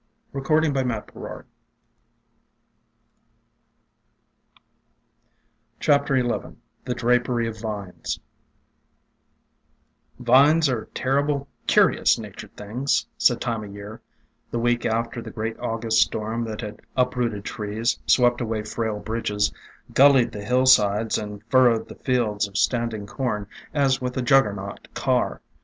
STAGHOR.N SUMAC XI THE DRAPERY OF VINES VINES are terrible cur'ous natured things," said Time o' Year, the week after the great August storm that had uprooted trees, swept away frail bridges, gullied the hillsides, and furrowed the fields of standing corn as with a Juggernaut car.